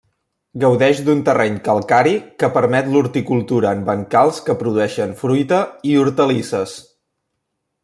Gaudeix d'un terreny calcari que permet l'horticultura en bancals que produïxen fruita i hortalisses.